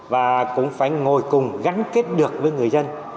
và cũng phải ngồi cùng gắn kết được với người dân